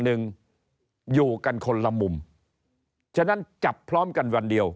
หนึ่งอยู่กันคนละมุมฉะนั้นจับพร้อมกันวันเดียว